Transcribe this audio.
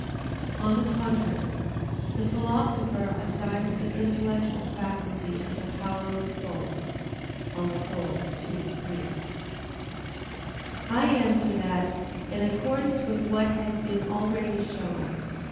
On the contrary, The Philosopher assigns the intellectual faculty as a power of the soul (De Anima ii, 3). I answer that, In accordance with what has been already shown (Q.